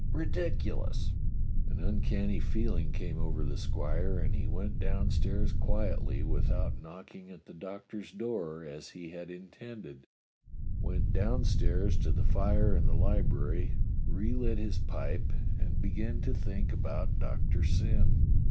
Ridiculous!" An uncanny feeling came over the squire, and he went downstairs quietly, without knocking at the Doctor's door, as he had intended — went downstairs to the fire THE CAPTAIN'S EXPERIMENT 245 in the library, relit his pipe, and began to think about Doctor Syn.